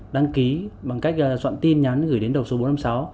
đăng ký bằng cách soạn tin nhắn gửi đến đầu số bốn trăm năm mươi sáu